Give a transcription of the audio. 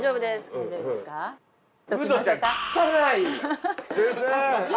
先生。